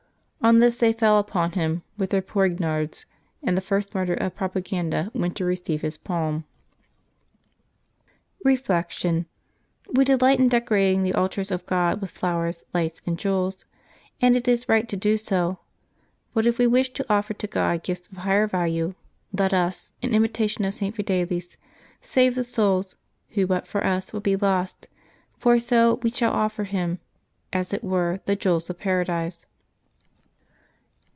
On this they fell upon him with their poignards, and the first martyr of Propaganda went to receive his palm. Reflection. — ^We delight in decorating the altars of God with flowers, lights, and jewels, and it is right to do so; but if we wish to offer to God gifts of higher value, let us, in imitation of St. Fidelis, save the souls who but for us would be lost; for so we shall offer Him, as it were, the jewels of paradise.